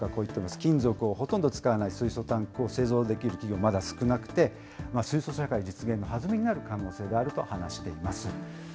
水素をほとんど使わない水素タンクを製造できる企業、まだ少なくて、水素社会実現の弾みになる可能性もあると話しています。